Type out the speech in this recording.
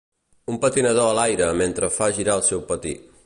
Un patinador a l'aire mentre fa girar el seu patí